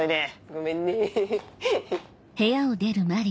ごめんね。